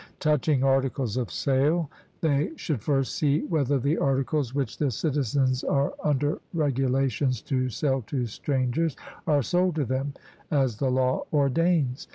Touching articles of sale, they should first see whether the articles which the citizens are under regulations to sell to strangers are sold to them, as the law ordains.